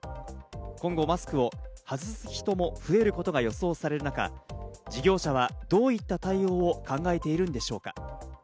今後、マスクを外す人も増えることが予想される中、事業者はどういった対応を考えているんでしょうか？